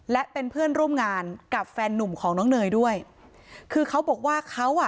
และเป็นเพื่อนร่วมงานกับแฟนนุ่มของน้องเนยด้วยคือเขาบอกว่าเขาอ่ะ